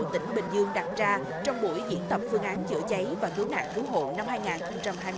tỉnh bình dương đặt ra trong buổi diễn tập phương án chữa cháy và cứu nạn cứu hộ năm hai nghìn hai mươi bốn